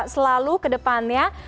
selalu ke depannya